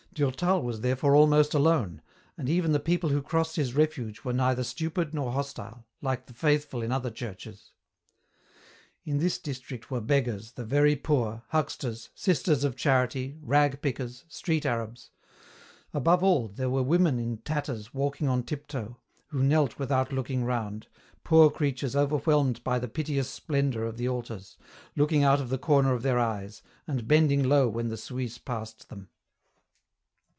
Durtal was therefore almost alone, and even the people who crossed his refuge were neither stupid nor hostile, like the faithful in other churches. In this district were beggars, the very poor, hucksters, Sisters of Charity, rag pickers, street arabs; above all, there were women in tatters walking on tiptoe, who knelt without looking round, poor creatures overwhelmed by the piteous splendour of the altars, looking out of the corner of their eyes, and bending low when the Suisse passed them.